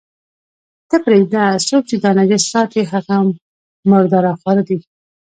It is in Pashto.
ته پرېږده، څوک چې دا نجس ساتي، هغه مرداره خواره دي.